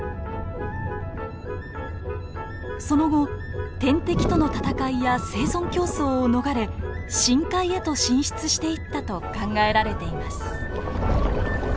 その後天敵との戦いや生存競争を逃れ深海へと進出していったと考えられています。